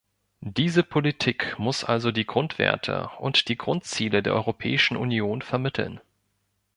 Diese Politik muss also die Grundwerte und die Grundziele der Europäischen Union vermitteln.